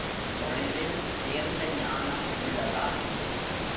தொழிலில் தேர்ந்த ஞானம் உள்ளதா?